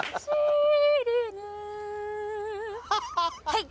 はい！